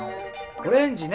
オレンジね。